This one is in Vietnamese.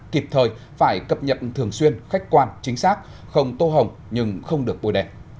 kịp thời phải cập nhận thường xuyên khách quan chính xác không tô hồng nhưng không được bùi đẹp